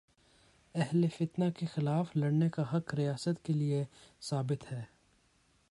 اہل فتنہ کے خلاف لڑنے کا حق ریاست کے لیے ثابت ہے۔